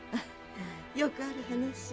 よくある話。